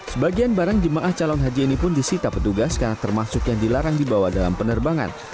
sebagian barang jemaah calon haji ini pun disita petugas karena termasuk yang dilarang dibawa dalam penerbangan